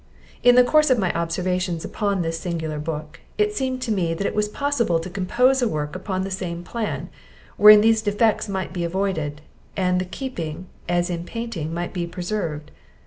In the course of my observations upon this singular book, it seemed to me that it was possible to compose a work upon the same plan, wherein these defects might be avoided; and the keeping, as in painting, might be preserved.